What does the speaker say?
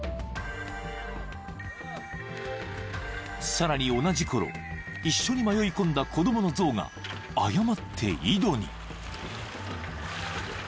［さらに同じころ一緒に迷いこんだ子供の象が誤って井戸に］